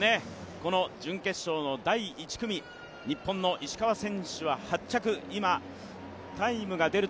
準決勝の第１組、日本の石川選手は８着。